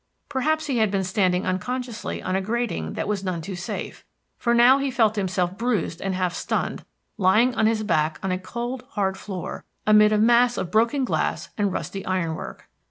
Perhaps he had been standing unconsciously on a grating that was none too safe, for now he felt himself bruised and half stunned, lying on his back on a cold, hard floor, amid a mass of broken glass and rusty ironwork.